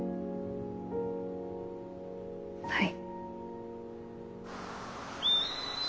はい。